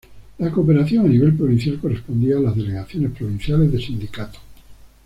La cooperación a nivel provincial correspondía a las delegaciones provinciales de Sindicatos.